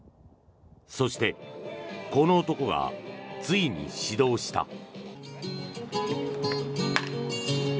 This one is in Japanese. そしてこの男がついに始動した。